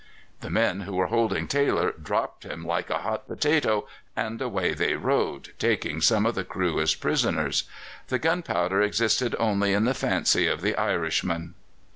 The men who were holding Taylor dropped him "like a hot potato," and away they rowed, taking some of the crew as prisoners. The gunpowder existed only in the fancy of the Irishman.